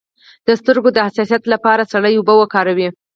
د سترګو د حساسیت لپاره سړې اوبه وکاروئ